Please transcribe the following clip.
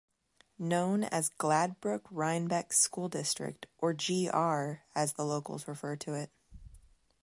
Known as Gladbrook-Reinbeck school district or "G-R" as the locals refer to it.